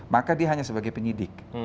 maka dia hanya sebagai penyidik